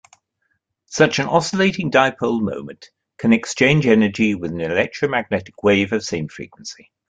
Such an oscillating dipole moment can exchange energy with an electromagnetic wave of same frequency.